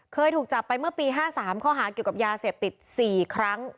เคยถูกจับไปเมื่อปี๕๓ข้อหาเกี่ยวกับยาเสพติด๔ครั้ง